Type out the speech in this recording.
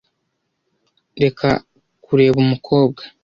Reka kureba mukobwa.